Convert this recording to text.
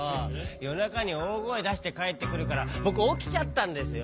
よなかにおおごえだしてかえってくるからぼくおきちゃったんですよ。